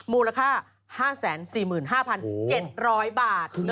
มูลค่า๕๔๕๗๐๐บาท